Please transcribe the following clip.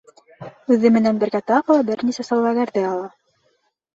Үҙе менән бергә тағы ла бер нисә сауҙагәрҙе ала.